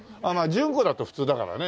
順子だと普通だからね。